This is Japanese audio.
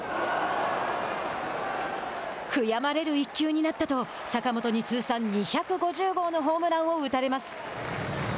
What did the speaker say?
「悔やまれる１球になった」と坂本に通算２５０号のホームランを打たれます。